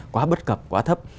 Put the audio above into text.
quá bất cập quá thấp